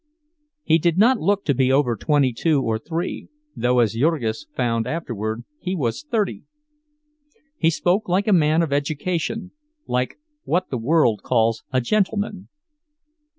He did not look to be over twenty two or three, though, as Jurgis found afterward, he was thirty. He spoke like a man of education, like what the world calls a "gentleman."